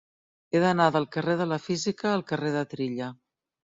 He d'anar del carrer de la Física al carrer de Trilla.